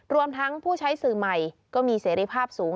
รวมทั้งผู้ใช้สื่อใหม่ก็มีเสรีภาพสูง